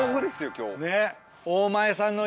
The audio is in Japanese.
今日。